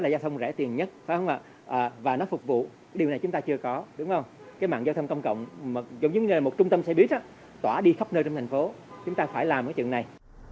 chúng ta phải làm cái chuyện này